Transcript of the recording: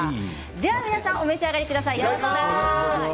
では皆さんお召し上がりください。